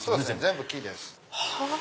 全部木です。